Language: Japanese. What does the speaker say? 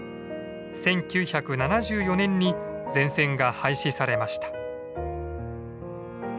１９７４年に全線が廃止されました。